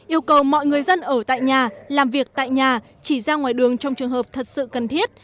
yêu cầu mọi người dân ở tại nhà làm việc tại nhà chỉ ra ngoài đường trong trường hợp thật sự cần thiết